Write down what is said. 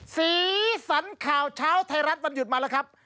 สีสันข่าวเช้าไทยรัฐวันหยุดมาแล้วครับ